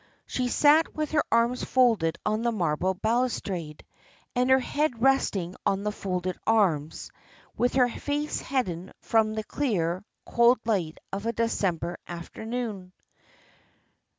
She sat with her arms folded on the marble balustrade, and her head resting on the folded arms, with her face hidden from the clear, cold light of a December afternoon.